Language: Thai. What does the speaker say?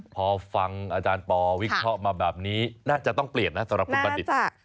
พอฟังอาจารย์ปวิทย์ศพมาแบบนี้น่าจะต้องเปลี่ยนนะสำหรับคุณปฏิษฐ์